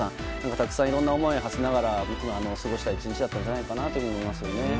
たくさんいろんな思いをはせながら過ごした１日だったんじゃないかと思いますね。